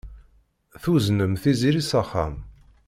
Tuznem Tiziri s axxam.